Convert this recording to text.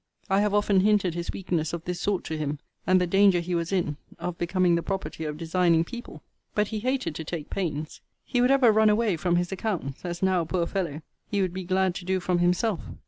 I have often hinted his weakness of this sort to him; and the danger he was in of becoming the property of designing people. But he hated to take pains. He would ever run away from his accounts; as now, poor fellow! he would be glad to do from himself.